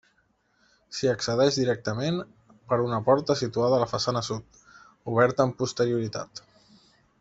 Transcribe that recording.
S'hi accedeix directament per una porta situada a la façana sud, oberta amb posterioritat.